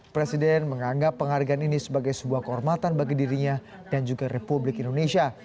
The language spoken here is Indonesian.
presiden menganggap penghargaan ini sebagai sebuah kehormatan bagi dirinya dan juga republik indonesia